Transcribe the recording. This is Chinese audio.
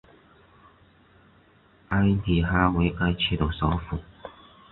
埃里哈为该区的首府。